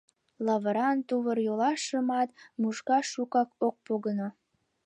Лавыран тувыр-йолашымат мушкаш шукак ок погыно.